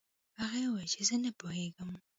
هغه وویل چې زه نه پوهیږم.